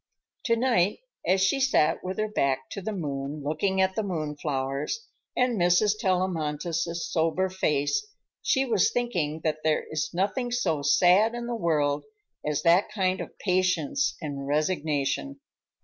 To night, as she sat with her back to the moon, looking at the moon flowers and Mrs. Tellamantez's somber face, she was thinking that there is nothing so sad in the world as that kind of patience and resignation.